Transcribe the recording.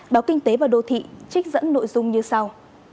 báo kinh tế và đô thị trích dẫn nội dung như sau